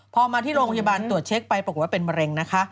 พอมาที่โรงพยาบาลตรวจเช็คไปปรากฏว่าเป็นมะเร็งนะคะ